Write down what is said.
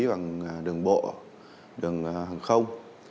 bằng đường bộ đường hàng không